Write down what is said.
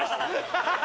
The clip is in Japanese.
ハハハ！